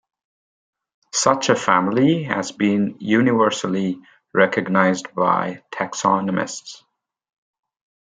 Such a family has been universally recognized by taxonomists.